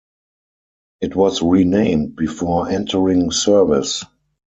It was renamed before entering service.